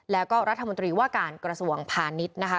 แล้วก็รัฐมนตรีว่าการกระทรวงพาณิชย์นะคะ